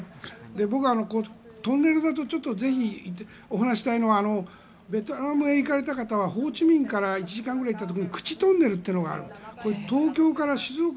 僕、トンネルでぜひお話ししたいのはベトナムへ行かれた方はホーチミンから１時間くらい行ったところにトンネルがある。